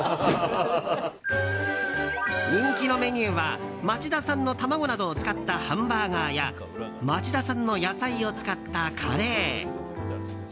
人気のメニューは町田産の卵などを使ったハンバーガーや町田産の野菜を使ったカレー。